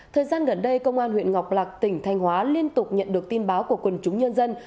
thời gian gần đây công an huyện ngọc lạc tỉnh thanh hóa liên tục nhận được tin báo của quần chúng nhân dân